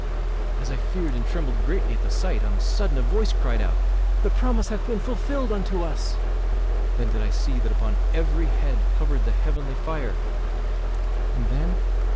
As I feared and trembled greatly at the sight, on a sudden a voice cried out, 'The promise hath been fulfilled unto us!' Then did I see that upon every head hovered the heavenly fire." "And then?"